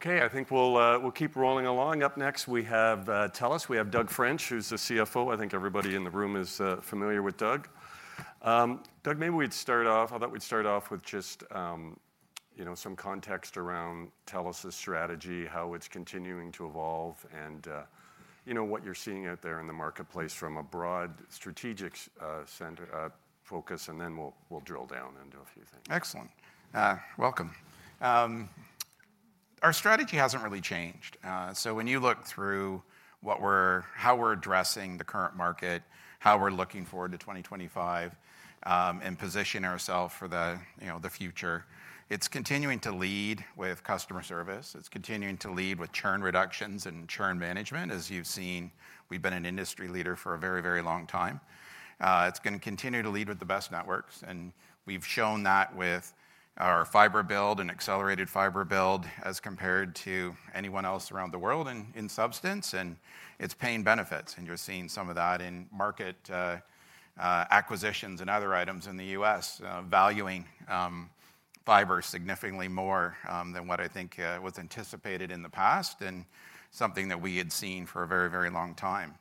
Okay, I think we'll keep rolling along. Up next, we have TELUS. We have Doug French, who's the CFO. I think everybody in the room is familiar with Doug. Doug, maybe we'd start off. I thought we'd start off with just, you know, some context around TELUS' strategy, how it's continuing to evolve, and, you know, what you're seeing out there in the marketplace from a broad strategic center focus, and then we'll drill down into a few things. Excellent. Welcome. Our strategy hasn't really changed. So when you look through how we're addressing the current market, how we're looking forward to 2025, and positioning ourselves for the, you know, the future, it's continuing to lead with customer service. It's continuing to lead with churn reductions and churn management. As you've seen, we've been an industry leader for a very, very long time. It's going to continue to lead with the best networks, and we've shown that with our fiber build and accelerated fiber build as compared to anyone else around the world in substance, and it's paying benefits, and you're seeing some of that in market acquisitions and other items in the U.S. Valuing fiber significantly more than what I think was anticipated in the past, and something that we had seen for a very, very long time.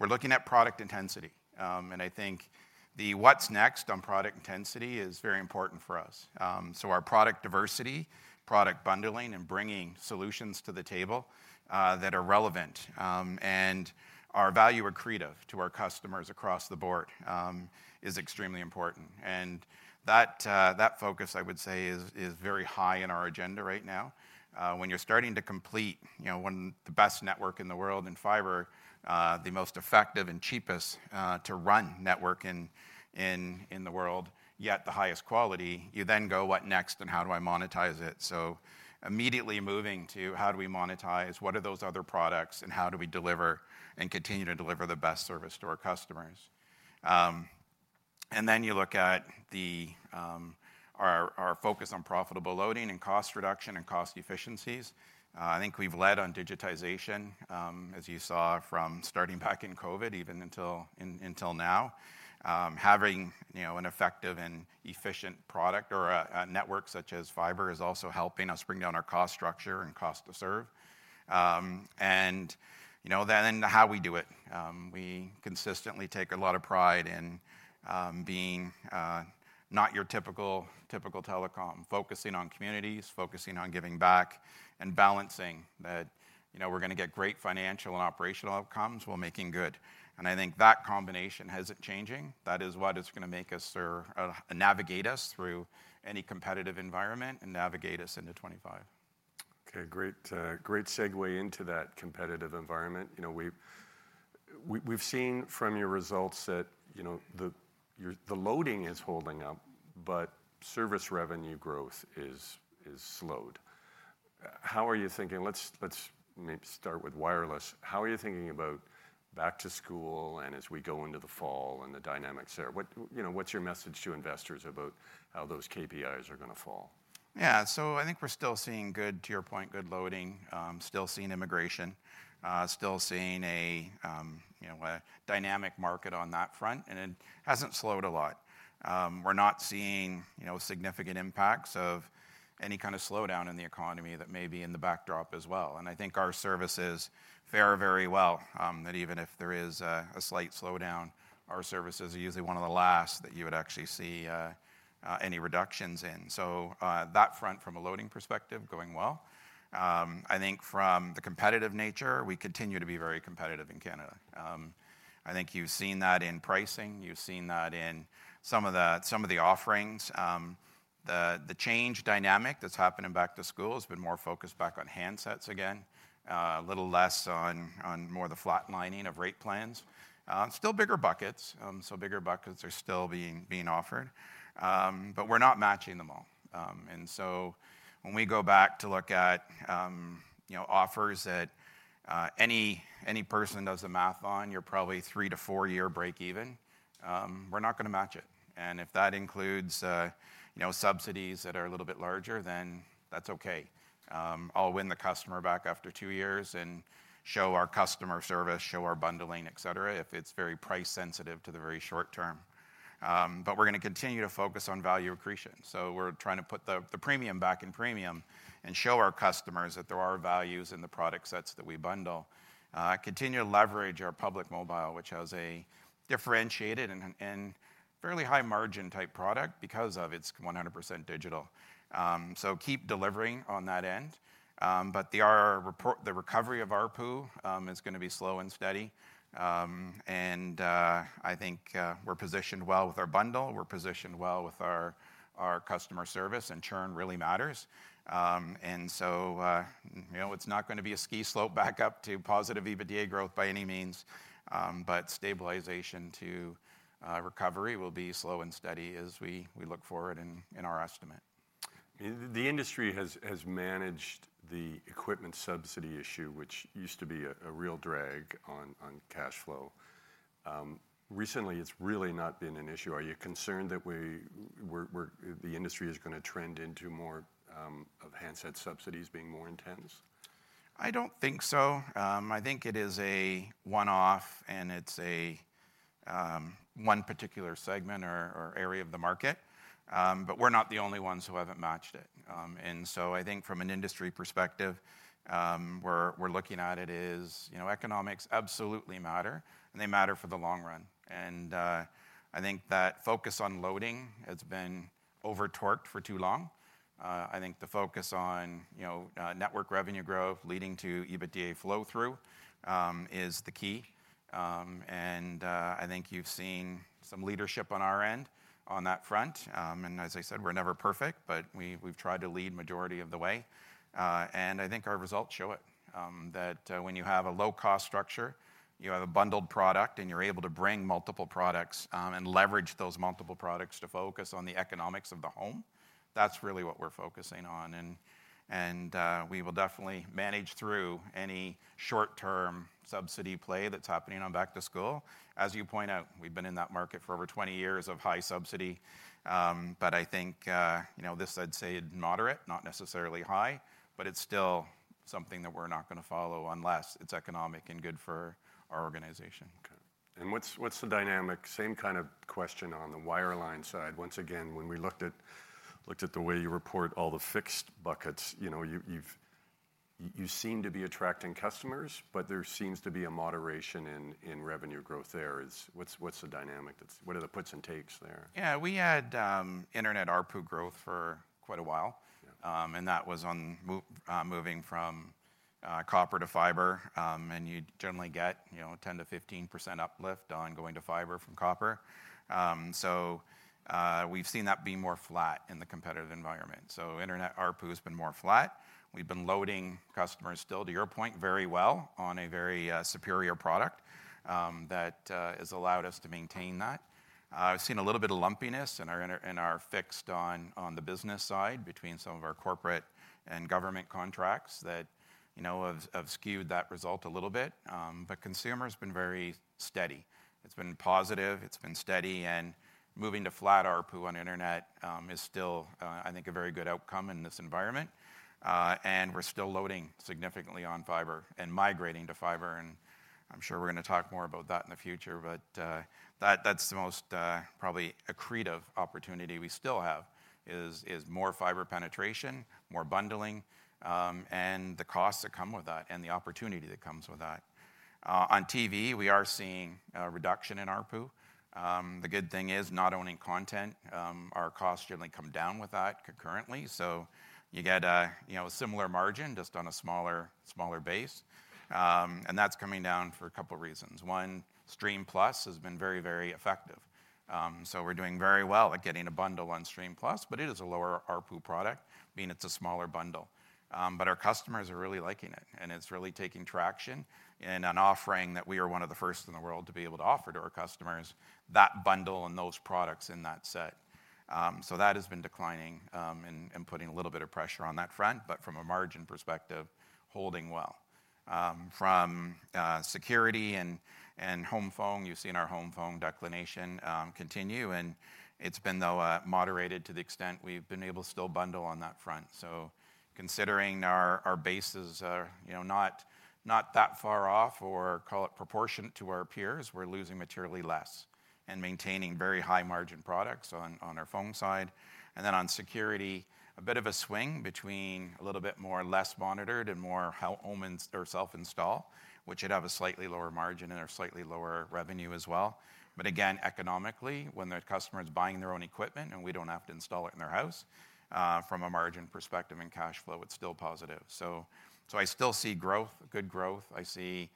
We're looking at product intensity, and I think the what's next on product intensity is very important for us. So our product diversity, product bundling, and bringing solutions to the table that are relevant and are value accretive to our customers across the board is extremely important, and that focus, I would say, is very high on our agenda right now. When you're starting to complete, you know, the best network in the world in fiber, the most effective and cheapest to run network in the world, yet the highest quality, you then go: What next, and how do I monetize it? So immediately moving to: How do we monetize? What are those other products, and how do we deliver and continue to deliver the best service to our customers? And then you look at the our focus on profitable loading and cost reduction and cost efficiencies. I think we've led on digitization, as you saw from starting back in COVID, even until now. Having you know, an effective and efficient product or a network such as fiber is also helping us bring down our cost structure and cost to serve. And you know, then how we do it, we consistently take a lot of pride in being not your typical telecom, focusing on communities, focusing on giving back and balancing that, you know, we're gonna get great financial and operational outcomes while making good. I think that combination isn't changing. That is what is gonna make us or navigate us through any competitive environment and navigate us into 2025. Okay, great, great segue into that competitive environment. You know, we've seen from your results that, you know, your loading is holding up, but service revenue growth is slowed. How are you thinking... Let's start with Wireless. How are you thinking about back to school, and as we go into the fall and the dynamics there, what, you know, what's your message to investors about how those KPIs are gonna fall? Yeah. So I think we're still seeing good, to your point, good loading, still seeing immigration, still seeing you know, a dynamic market on that front, and it hasn't slowed a lot. We're not seeing, you know, significant impacts of any kind of slowdown in the economy that may be in the backdrop as well, and I think our services fare very well, that even if there is a slight slowdown, our services are usually one of the last that you would actually see any reductions in, so that front, from a loading perspective, going well. I think from the competitive nature, we continue to be very competitive in Canada. I think you've seen that in pricing, you've seen that in some of the offerings. The change dynamic that's happening back to school has been more focused back on handsets again, a little less on more the flatlining of rate plans. Still bigger buckets, so bigger buckets are still being offered, but we're not matching them all. And so when we go back to look at, you know, offers that any person does the math on, you're probably three to four-year breakeven, we're not gonna match it. And if that includes, you know, subsidies that are a little bit larger, then that's okay. I'll win the customer back after two years and show our customer service, show our bundling, et cetera, if it's very price sensitive to the very short term. But we're gonna continue to focus on value accretion, so we're trying to put the premium back in premium and show our customers that there are values in the product sets that we bundle. Continue to leverage our Public Mobile, which has a differentiated and fairly high margin-type product because of its 100% digital. So keep delivering on that end. But the recovery of ARPU is gonna be slow and steady. And I think we're positioned well with our bundle, we're positioned well with our customer service, and churn really matters. And so you know, it's not gonna be a ski slope back up to positive EBITDA growth by any means, but stabilization to recovery will be slow and steady as we look forward in our estimate. The industry has managed the equipment subsidy issue, which used to be a real drag on cash flow. Recently, it's really not been an issue. Are you concerned that the industry is gonna trend into more of handset subsidies being more intense?... I don't think so. I think it is a one-off, and it's a one particular segment or area of the market. But we're not the only ones who haven't matched it, and so I think from an industry perspective, we're looking at it as you know, economics absolutely matter, and they matter for the long run, and I think that focus on loading. It's been over-torqued for too long. I think the focus on you know, network revenue growth leading to EBITDA flow-through is the key, and I think you've seen some leadership on our end on that front, and as I said, we're never perfect, but we've tried to lead majority of the way. And I think our results show it that when you have a low-cost structure, you have a bundled product, and you're able to bring multiple products and leverage those multiple products to focus on the economics of the home, that's really what we're focusing on. And we will definitely manage through any short-term subsidy play that's happening on back-to-school. As you point out, we've been in that market for over 20 years of high subsidy. But I think, you know, this, I'd say, is moderate, not necessarily high, but it's still something that we're not gonna follow unless it's economic and good for our organization. Okay. And what's the dynamic, same kind of question on the wireline side. Once again, when we looked at the way you report all the fixed buckets, you know, you've you seem to be attracting customers, but there seems to be a moderation in revenue growth there. What's the dynamic that's... What are the puts and takes there? Yeah, we had internet ARPU growth for quite a while. Yeah. And that was on moving from copper to fiber. And you'd generally get, you know, 10%-15% uplift on going to fiber from copper. So we've seen that be more flat in the competitive environment. So internet ARPU has been more flat. We've been loading customers still, to your point, very well on a very superior product that has allowed us to maintain that. We've seen a little bit of lumpiness in our fixed on the business side between some of our corporate and government contracts that, you know, have skewed that result a little bit. But consumer's been very steady. It's been positive, it's been steady, and moving to flat ARPU on internet is still, I think, a very good outcome in this environment. And we're still loading significantly on fiber and migrating to fiber, and I'm sure we're gonna talk more about that in the future, but that, that's the most probably accretive opportunity we still have is more fiber penetration, more bundling, and the costs that come with that and the opportunity that comes with that. On TV, we are seeing a reduction in ARPU. The good thing is, not owning content, our costs generally come down with that concurrently, so you get a, you know, a similar margin, just on a smaller, smaller base, and that's coming down for a couple of reasons. One, Stream+ has been very, very effective, so we're doing very well at getting a bundle on Stream+, but it is a lower ARPU product, meaning it's a smaller bundle. But our customers are really liking it, and it's really taking traction and an offering that we are one of the first in the world to be able to offer to our customers, that bundle and those products in that set. So that has been declining, and putting a little bit of pressure on that front, but from a margin perspective, holding well. From security and home phone, you've seen our home phone decline continue, and it's been, though, moderated to the extent we've been able to still bundle on that front. So considering our bases are, you know, not that far off or call it proportionate to our peers, we're losing materially less and maintaining very high-margin products on our phone side. Then, on security, a bit of a swing between a little bit more less monitored and more home in or self-install, which would have a slightly lower margin and a slightly lower revenue as well. But again, economically, when the customer is buying their own equipment and we don't have to install it in their house, from a margin perspective and cash flow, it's still positive. So I still see growth, good growth. I see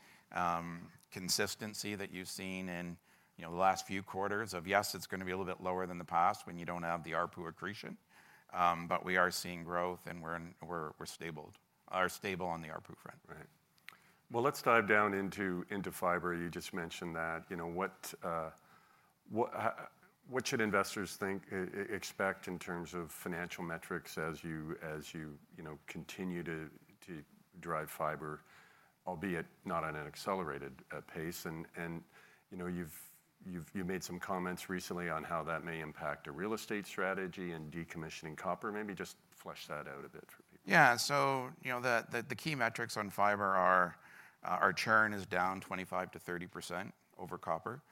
consistency that you've seen in, you know, the last few quarters of, yes, it's gonna be a little bit lower than the past when you don't have the ARPU accretion. But we are seeing growth, and we're stable on the ARPU front. Right. Well, let's dive down into fiber. You just mentioned that. You know, what... What should investors think, expect in terms of financial metrics as you, you know, continue to drive fiber, albeit not at an accelerated, pace? And, you know, you've made some comments recently on how that may impact a real estate strategy and decommissioning copper. Maybe just flesh that out a bit for people. Yeah. So, you know, the key metrics on fiber are, our churn is down 25%-30% over copper.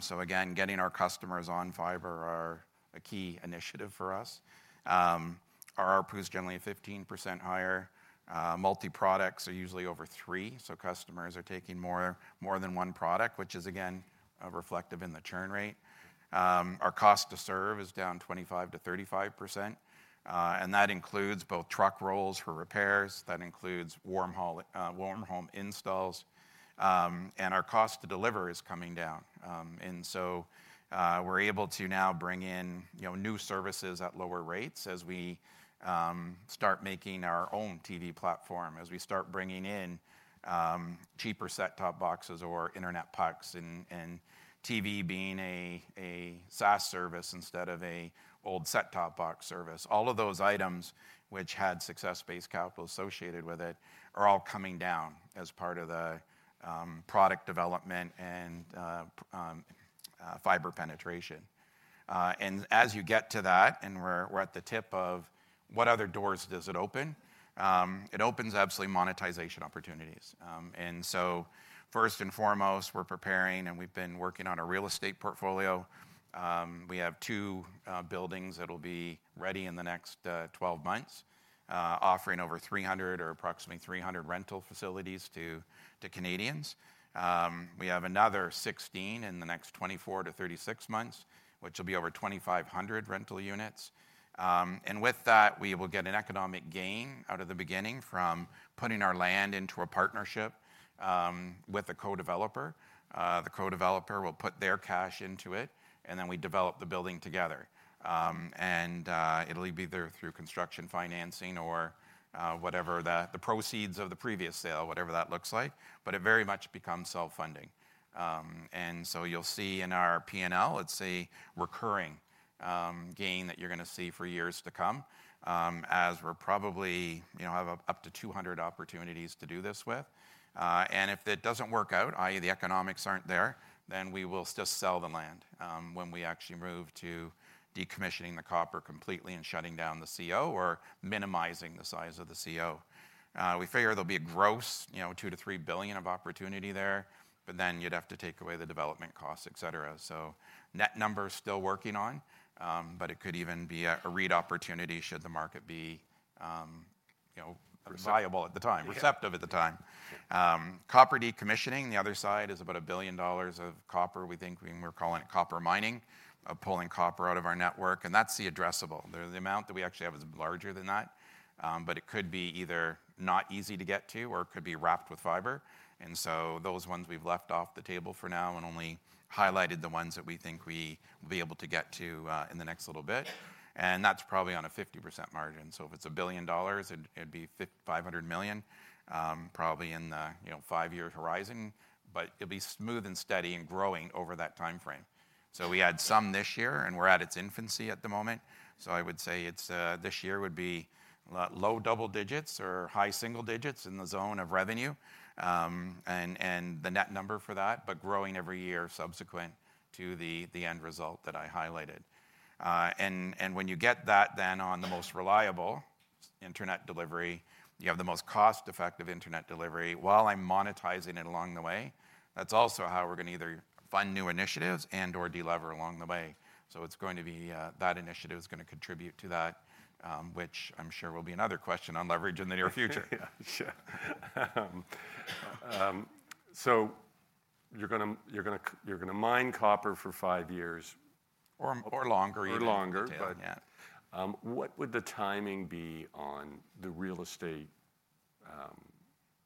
So again, getting our customers on fiber are a key initiative for us. Our ARPU is generally 15% higher. Multi-products are usually over three, so customers are taking more than one product, which is, again, reflective in the churn rate. Our cost to serve is down 25%-35%, and that includes both truck rolls for repairs, that includes warm haul, warm home installs, and our cost to deliver is coming down. And so we're able to now bring in, you know, new services at lower rates as we start making our own TV platform, as we start bringing in cheaper set-top boxes or internet pucks and TV being a SaaS service instead of an old set-top box service. All of those items which had success-based capital associated with it are all coming down as part of the product development and fiber penetration. And as you get to that, and we're at the tip of what other doors does it open? It opens absolutely monetization opportunities. And so first and foremost, we're preparing, and we've been working on a real estate portfolio. We have two buildings that'll be ready in the next 12 months, offering over 300 or approximately 300 rental facilities to Canadians. We have another 16 in the next 24 to 36 months, which will be over 2,500 rental units. With that, we will get an economic gain out of the beginning from putting our land into a partnership with a co-developer. The co-developer will put their cash into it, and then we develop the building together. It'll be either through construction financing or whatever the proceeds of the previous sale, whatever that looks like, but it very much becomes self-funding. And so you'll see in our P&L, it's a recurring gain that you're gonna see for years to come, as we're probably, you know, have up to 200 opportunities to do this with. And if it doesn't work out, i.e., the economics aren't there, then we will just sell the land, when we actually move to decommissioning the copper completely and shutting down the CO or minimizing the size of the CO. We figure there'll be a gross, you know, 2 billion-3 billion of opportunity there, but then you'd have to take away the development costs, et cetera. So net numbers, still working on, but it could even be a REIT opportunity, should the market be, you know- Reliable at the time. Receptive at the time. Yeah. Copper decommissioning, the other side, is about 1 billion dollars of copper. We think we're calling it copper mining, of pulling copper out of our network, and that's the addressable. The amount that we actually have is larger than that, but it could be either not easy to get to or could be wrapped with fiber. And so those ones we've left off the table for now and only highlighted the ones that we think we will be able to get to, in the next little bit. And that's probably on a 50% margin. So if it's a billion dollars, it'd be 500 million, probably in the, you know, five-year horizon, but it'll be smooth and steady and growing over that timeframe. So we had some this year, and we're at its infancy at the moment. So, I would say it's this year would be low double digits or high single digits in the zone of revenue, and the net number for that, but growing every year subsequent to the end result that I highlighted. And when you get that, then on the most reliable internet delivery, you have the most cost-effective internet delivery while I'm monetizing it along the way. That's also how we're gonna either fund new initiatives and/or de-lever along the way. So it's going to be that initiative is gonna contribute to that, which I'm sure will be another question on leverage in the near future. Yeah, sure. So you're gonna mine copper for five years. Or longer even. Or longer, but- Yeah. What would the timing be on the real estate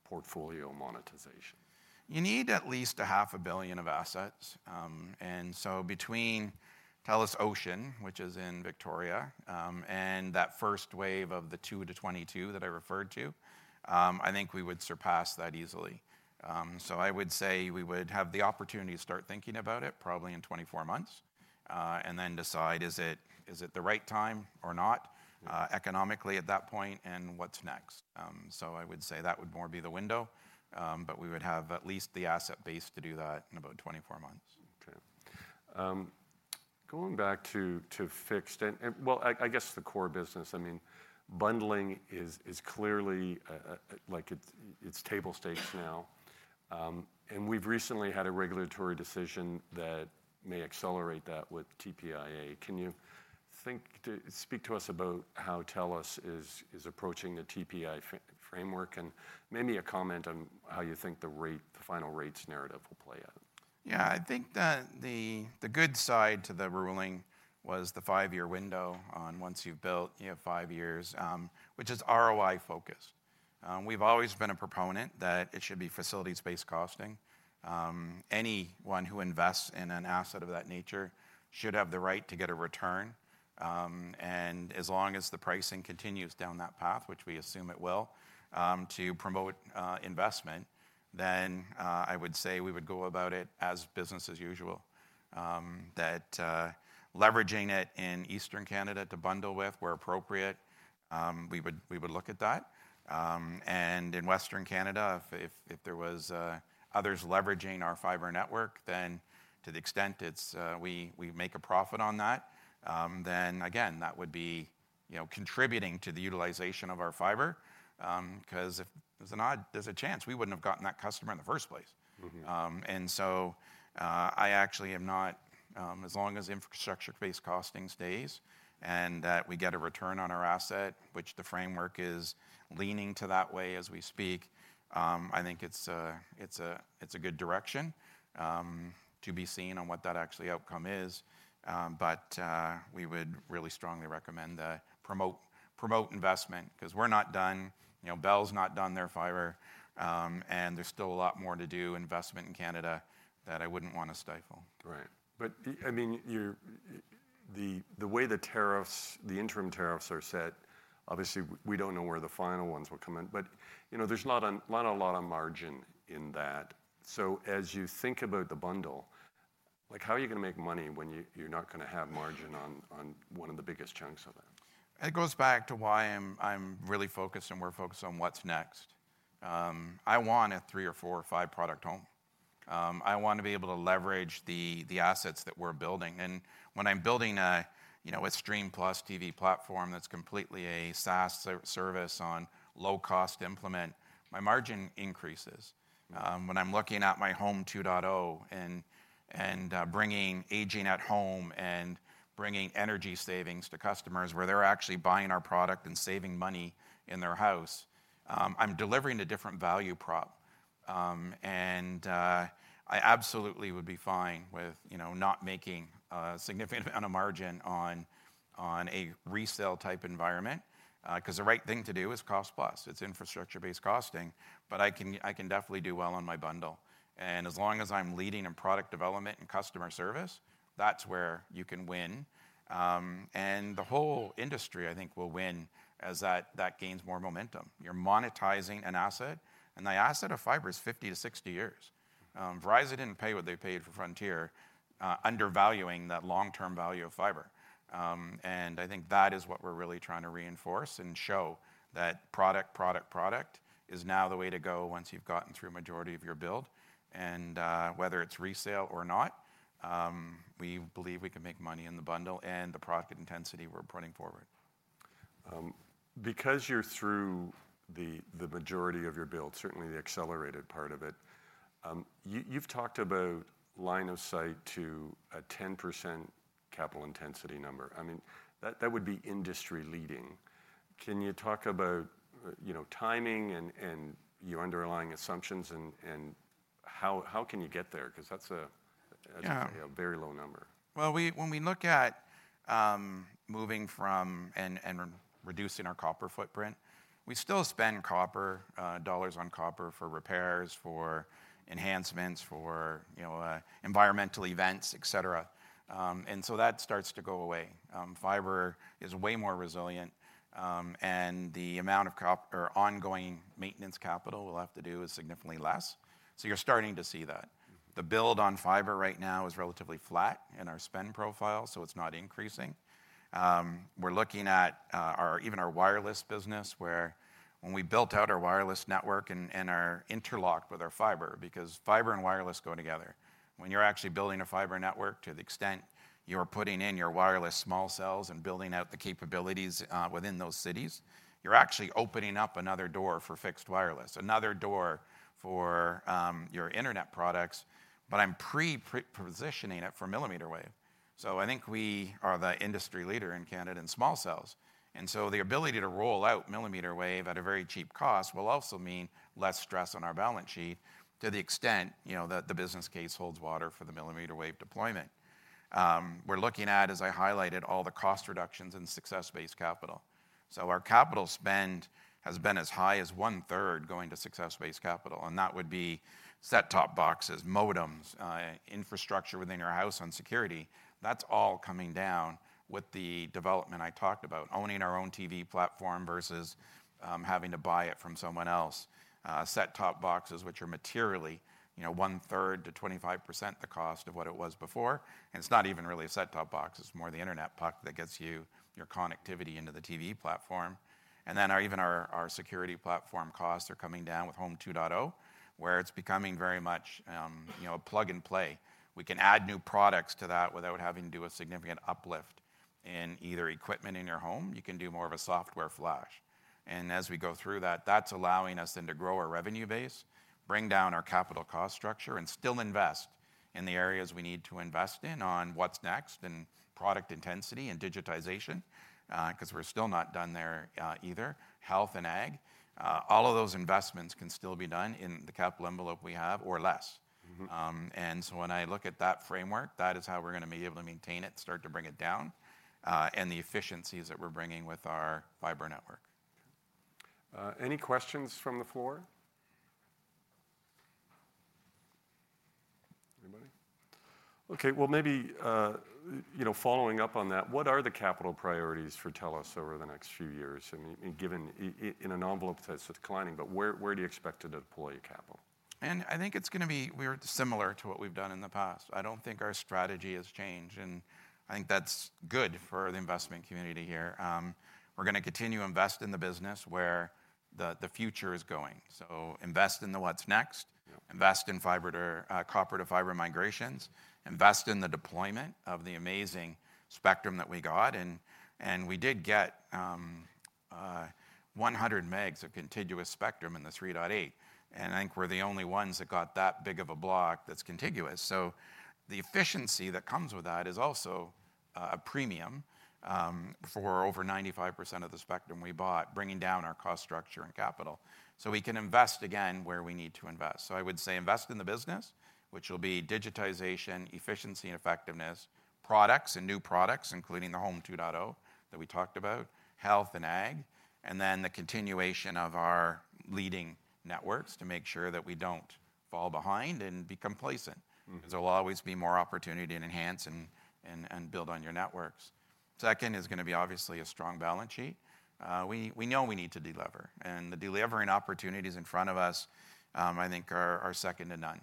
portfolio monetization? You need at least 500 million of assets, and so between TELUS Ocean, which is in Victoria, and that first wave of the 2022 that I referred to, I think we would surpass that easily, so I would say we would have the opportunity to start thinking about it probably in 24 months, and then decide, is it, is it the right time or not, economically at that point, and what's next, so I would say that would more be the window, but we would have at least the asset base to do that in about 24 months. Okay. Going back to fixed and well, I guess the core business, I mean, bundling is clearly like it, it's table stakes now. And we've recently had a regulatory decision that may accelerate that with TPIA. Can you think... speak to us about how TELUS is approaching the TPIA framework, and maybe a comment on how you think the rate, the final rates narrative will play out? Yeah, I think the good side to the ruling was the five-year window on once you've built, you have five years, which is ROI-focused. We've always been a proponent that it should be facilities-based costing. Anyone who invests in an asset of that nature should have the right to get a return, and as long as the pricing continues down that path, which we assume it will, to promote investment, then I would say we would go about it as business as usual. That leveraging it in Eastern Canada to bundle with, where appropriate, we would look at that. And in Western Canada, if there was others leveraging our fiber network, then to the extent it's we make a profit on that, then again, that would be, you know, contributing to the utilization of our fiber, 'cause if there's a chance we wouldn't have gotten that customer in the first place. Mm-hmm. I actually am not as long as infrastructure-based costing stays, and that we get a return on our asset, which the framework is leaning to that way as we speak. I think it's a good direction to be seen on what that actually outcome is. We would really strongly recommend promote investment 'cause we're not done, you know. Bell's not done their fiber, and there's still a lot more to do investment in Canada that I wouldn't want to stifle. Right. But I mean, the way the tariffs, the interim tariffs are set, obviously, we don't know where the final ones will come in, but, you know, there's not a lot of margin in that. So as you think about the bundle, like, how are you gonna make money when you're not gonna have margin? The biggest chunks of that? It goes back to why I'm really focused, and we're focused on what's next. I want a three or four or five-product home. I want to be able to leverage the assets that we're building. And when I'm building, you know, a Stream+ TV platform that's completely a SaaS service on low-cost implement, my margin increases. When I'm looking at my Home 2.0 and bringing aging at home and bringing energy savings to customers, where they're actually buying our product and saving money in their house, I'm delivering a different value prop. And I absolutely would be fine with, you know, not making a significant amount of margin on a resale-type environment, 'cause the right thing to do is cost plus. It's infrastructure-based costing, but I can definitely do well on my bundle. And as long as I'm leading in product development and customer service, that's where you can win. And the whole industry, I think, will win as that gains more momentum. You're monetizing an asset, and the asset of fiber is 50-60 years. Mm-hmm. Verizon didn't pay what they paid for Frontier, undervaluing that long-term value of fiber. And I think that is what we're really trying to reinforce and show, that product, product, product is now the way to go once you've gotten through a majority of your build. And whether it's resale or not, we believe we can make money in the bundle and the profit intensity we're putting forward. Because you're through the majority of your build, certainly the accelerated part of it, you've talked about line of sight to a 10% capital intensity number. I mean, that would be industry-leading. Can you talk about, you know, timing and your underlying assumptions? And how can you get there? 'Cause that's a- Yeah... a very low number. We, when we look at moving from and reducing our copper footprint, we still spend copper dollars on copper for repairs, for enhancements, for you know environmental events, et cetera. And so that starts to go away. Fiber is way more resilient, and the amount of copper ongoing maintenance capital we'll have to do is significantly less. You're starting to see that. Mm. The build on fiber right now is relatively flat in our spend profile, so it's not increasing. We're looking at our, even our Wireless business, where when we built out our Wireless network and are interlocked with our fiber, because fiber and Wireless go together. When you're actually building a fiber network, to the extent you're putting in your Wireless small cells and building out the capabilities within those cities, you're actually opening up another door for fixed Wireless, another door for your internet products, but I'm pre-positioning it for millimeter wave. So I think we are the industry leader in Canada in small cells, and so the ability to roll out millimeter wave at a very cheap cost will also mean less stress on our balance sheet to the extent, you know, that the business case holds water for the millimeter wave deployment. We're looking at, as I highlighted, all the cost reductions in success-based capital. So our capital spend has been as high as 1/3 going to success-based capital, and that would be set-top boxes, modems, infrastructure within your house on security. That's all coming down with the development I talked about, owning our own TV platform versus having to buy it from someone else. Set-top boxes, which are materially, you know, 1/3 to 25% the cost of what it was before, and it's not even really a set-top box. It's more the internet puck that gets you your connectivity into the TV platform, and then our security platform costs are coming down with Home 2.0, where it's becoming very much, you know, plug and play. We can add new products to that without having to do a significant uplift in either equipment in your home. You can do more of a software flash. And as we go through that, that's allowing us then to grow our revenue base, bring down our capital cost structure, and still invest in the areas we need to invest in on what's next, in product intensity and digitization, 'cause we're still not done there, either. Health and Ag, all of those investments can still be done in the capital envelope we have or less. Mm-hmm. And so when I look at that framework, that is how we're gonna be able to maintain it, start to bring it down, and the efficiencies that we're bringing with our fiber network. Any questions from the floor? Anybody? Okay, well, maybe you know, following up on that, what are the capital priorities for TELUS over the next few years? I mean, given in an envelope that's declining, but where do you expect to deploy capital? I think it's gonna be weird, similar to what we've done in the past. I don't think our strategy has changed, and I think that's good for the investment community here. We're gonna continue to invest in the business where the future is going. So invest in the what's next- Yep... invest in fiber to, copper-to-fiber migrations, invest in the deployment of the amazing spectrum that we got. And we did get one hundred megs of contiguous spectrum in the 3.8, and I think we're the only ones that got that big of a block that's contiguous. So the efficiency that comes with that is also a premium for over 95% of the spectrum we bought, bringing down our cost structure and capital, so we can invest again where we need to invest. So I would say invest in the business, which will be digitization, efficiency, and effectiveness, products and new products, including the Home 2.0 that we talked about, Health and Ag, and then the continuation of our leading networks to make sure that we don't fall behind and be complacent. Mm. Because there will always be more opportunity to enhance and build on your networks. Second is gonna be obviously a strong balance sheet. We know we need to de-lever, and the de-levering opportunities in front of us, I think are second to none.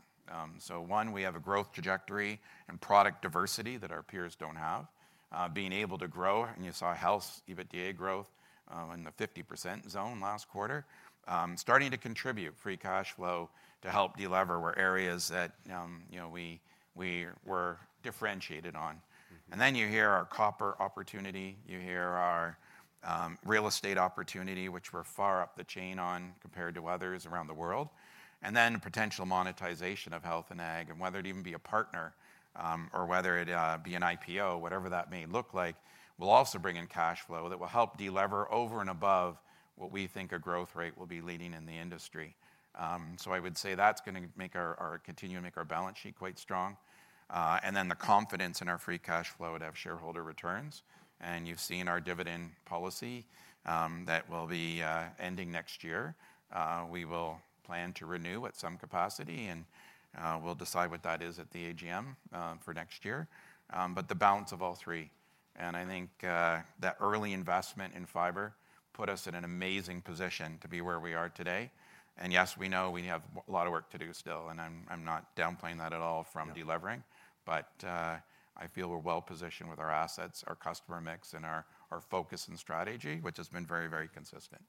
So one, we have a growth trajectory and product diversity that our peers don't have. Being able to grow, and you saw Health EBITDA growth in the 50% zone last quarter. Starting to contribute free cash flow to help de-lever were areas that, you know, we were differentiated on. Mm-hmm. And then you hear our copper opportunity. You hear our real estate opportunity, which we're far up the chain on compared to others around the world. And then potential monetization of Health and Ag, and whether it even be a partner or whether it be an IPO, whatever that may look like, will also bring in cash flow that will help de-lever over and above what we think our growth rate will be leading in the industry. So I would say that's gonna make our continue to make our balance sheet quite strong. And then the confidence in our free cash flow to have shareholder returns, and you've seen our dividend policy that will be ending next year. We will plan to renew at some capacity, and we'll decide what that is at the AGM for next year. But the balance of all three, and I think, that early investment in fiber put us in an amazing position to be where we are today. And yes, we know we have a lot of work to do still, and I'm not downplaying that at all from de-levering. Yeah. But, I feel we're well-positioned with our assets, our customer mix, and our focus and strategy, which has been very, very consistent.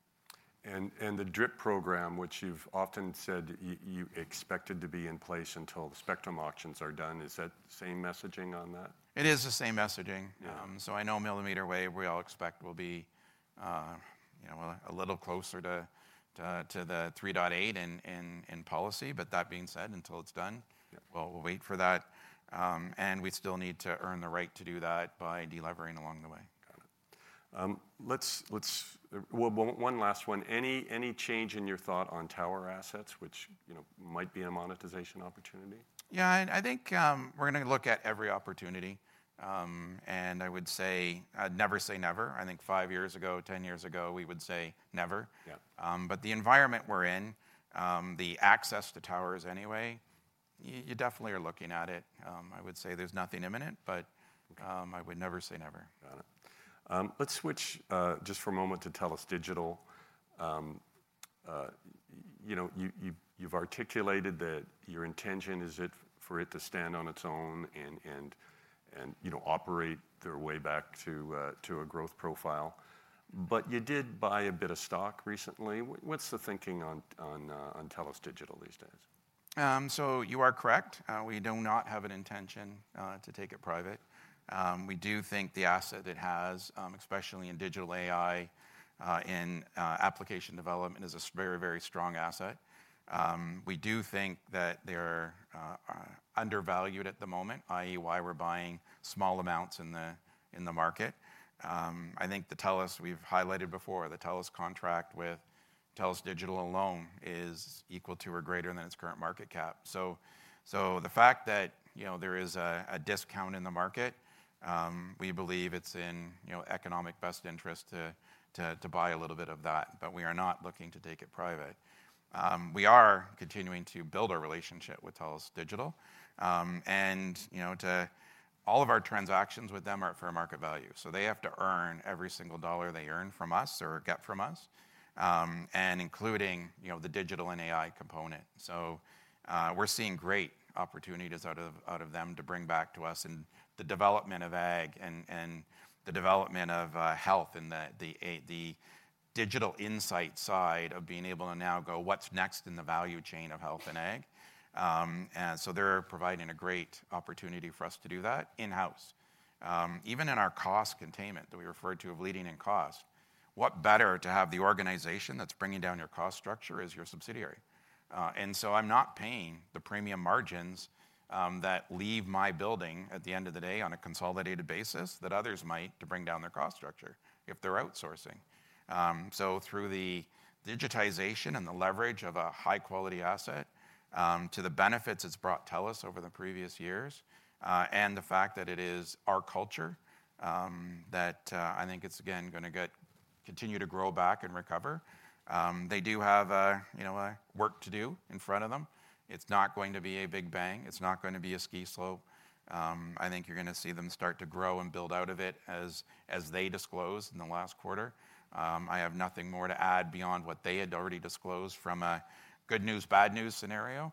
The DRIP program, which you've often said you expected to be in place until the spectrum auctions are done, is that the same messaging on that? It is the same messaging. Yeah. So I know millimeter wave, we all expect will be, you know, a little closer to the 3.8 in policy. But that being said, until it's done- Yeah... we'll wait for that, and we still need to earn the right to do that by de-levering along the way. Got it. Well, one last one. Any change in your thought on tower assets, which, you know, might be a monetization opportunity? Yeah, I think we're gonna look at every opportunity, and I would say never say never. I think five years ago, 10 years ago, we would say never. Yeah. But the environment we're in, the access to towers anyway, you definitely are looking at it. I would say there's nothing imminent, but- Okay... I would never say never. Got it. Let's switch just for a moment to TELUS Digital. You know, you've articulated that your intention is for it to stand on its own and, you know, operate their way back to a growth profile. But you did buy a bit of stock recently. What's the thinking on TELUS Digital these days? So you are correct. We do not have an intention to take it private. We do think the asset it has, especially in digital AI, in application development, is a very, very strong asset. We do think that they're undervalued at the moment, i.e., why we're buying small amounts in the market. I think the TELUS, we've highlighted before, the TELUS contract with TELUS Digital alone is equal to or greater than its current market cap. So the fact that, you know, there is a discount in the market, we believe it's in, you know, economic best interest to buy a little bit of that, but we are not looking to take it private. We are continuing to build a relationship with TELUS Digital, and, you know, to... All of our transactions with them are fair market value. So they have to earn every single dollar they earn from us or get from us, and including, you know, the digital and AI component. So, we're seeing great opportunities out of them to bring back to us in the development of Ag and the development of Health and the Digital Insight side of being able to now go, "What's next in the value chain of Health and Ag?" And so they're providing a great opportunity for us to do that in-house. Even in our cost containment that we referred to of leading in cost, what better to have the organization that's bringing down your cost structure as your subsidiary? And so I'm not paying the premium margins that leave my building at the end of the day on a consolidated basis that others might to bring down their cost structure if they're outsourcing. So through the digitization and the leverage of a high-quality asset to the benefits it's brought TELUS over the previous years and the fact that it is our culture that I think it's again gonna continue to grow back and recover. They do have you know work to do in front of them. It's not going to be a big bang. It's not gonna be a ski slope. I think you're gonna see them start to grow and build out of it as they disclosed in the last quarter. I have nothing more to add beyond what they had already disclosed from a good news, bad news scenario.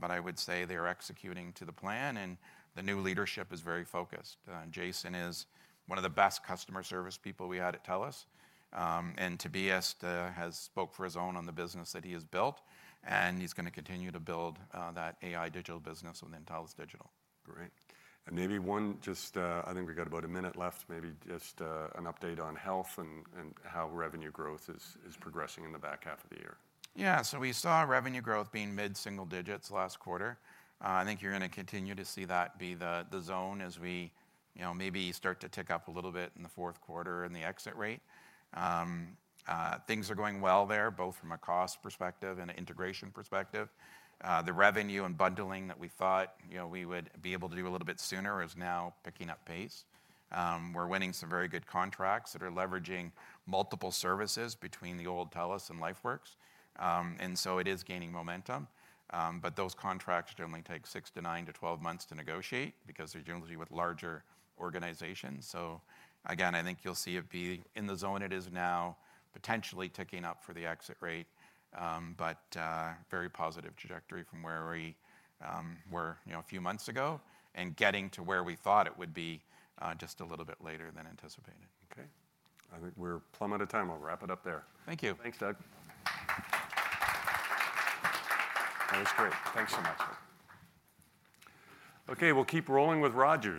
But I would say they are executing to the plan, and the new leadership is very focused. And Jason is one of the best customer service people we had at TELUS. And Tobias has spoke for his own on the business that he has built, and he's gonna continue to build that AI digital business within TELUS Digital. Great. And maybe one just. I think we've got about a minute left. Maybe just an update on Health and how revenue growth is progressing in the back half of the year. Yeah. So we saw revenue growth being mid-single digits last quarter. I think you're gonna continue to see that be the zone as we, you know, maybe start to tick up a little bit in the fourth quarter in the exit rate. Things are going well there, both from a cost perspective and an integration perspective. The revenue and bundling that we thought, you know, we would be able to do a little bit sooner is now picking up pace. We're winning some very good contracts that are leveraging multiple services between the old TELUS and LifeWorks. And so it is gaining momentum. But those contracts generally take six to nine to 12 months to negotiate because they're generally with larger organizations. So again, I think you'll see it be in the zone it is now, potentially ticking up for the exit rate. But, very positive trajectory from where we were, you know, a few months ago, and getting to where we thought it would be, just a little bit later than anticipated. Okay. I think we're plumb out of time. I'll wrap it up there. Thank you. Thanks, Doug. That was great. Thanks so much. Okay, we'll keep rolling with Rogers.